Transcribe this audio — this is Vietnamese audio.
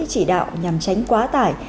chỉ đạo nhằm tránh quá tải